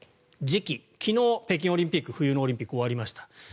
時期、昨日、北京オリンピック冬のオリンピック終わりました。